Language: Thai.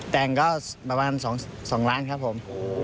แต่งก็ประมาณ๒ล้านครับผม